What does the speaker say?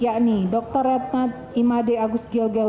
yakni dr red nat imade agus gilgil